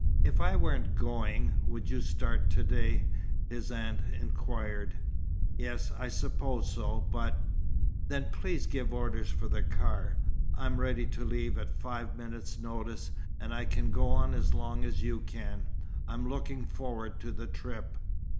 "If I weren't going, would you start to day?" his aunt inquired. "Yes, I suppose so. But " "Then please give orders for the car. I'm ready to leave at five minutes' notice, and I can go on as long as you can. I'm looking forward to the trip."